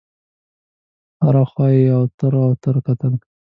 هره خوا یې اوتر اوتر کتل.